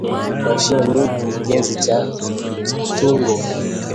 Kipashio: Ni kijenzi cha tungo